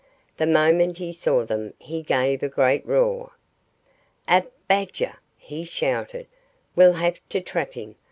The moment he saw them he gave a great roar. "A badger!" he shouted. "We'll have to trap him.